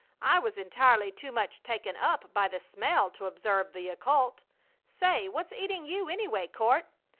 I was entirely too much taken up by the smell to observe the occult. Say, what's eating you, anyway, Court?